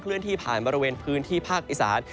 เลื่อนที่ผ่านบริเวณพื้นที่ภาคอีสาน